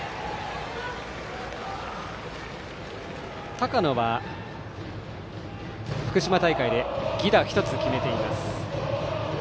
高野は福島大会で犠打１つ決めています。